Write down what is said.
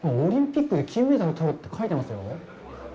オリンピックで金メダル取るって書いてますよ。